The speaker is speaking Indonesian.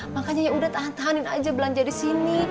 makanya ya udah tahan tahanin aja belanja di sini